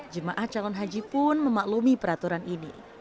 jemaah calon haji pun memaklumi peraturan ini